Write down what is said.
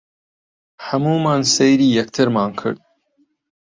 هەموومان سەیری یەکترمان کرد.